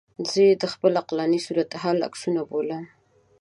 زه یې د خپل عقلاني صورتحال عکسونه بولم.